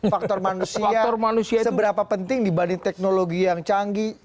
faktor manusia seberapa penting dibanding teknologi yang canggih